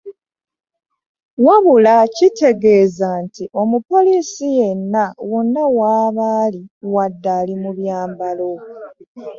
Wabula kitegeeza nti omupoliisi yenna wonna waba ali wadde ali mu by’ambalo.